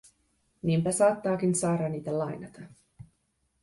Niinpä saattaakin Saara niitä lainata.